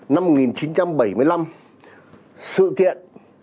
năm một nghìn chín trăm bảy mươi năm sự kiện